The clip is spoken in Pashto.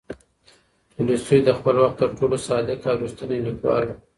تولستوی د خپل وخت تر ټولو صادق او ریښتینی لیکوال و.